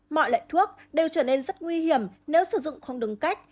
mọi loại thuốc đều trở nên rất nguy hiểm nếu sử dụng không đúng cách